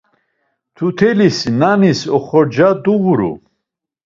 Tzut̆elis na’anis oxorca duğuru.